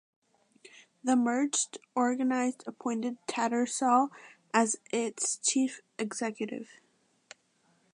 The merged organised appointed Tattersall as its chief executive.